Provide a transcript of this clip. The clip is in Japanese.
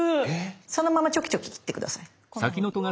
そのままちょきちょき切って下さい。